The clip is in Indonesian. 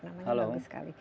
namanya bagus sekali